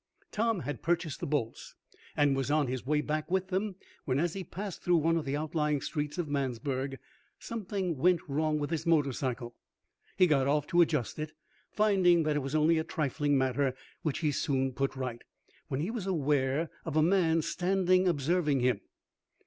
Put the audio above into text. Tom had purchased the bolts, and was on his way back with them, when, as he passed through one of the outlying streets of Mansburg, something went wrong with his motor cycle. He got off to adjust it, finding that it was only a trifling matter, which he soon put right, when he was aware of a man standing, observing him.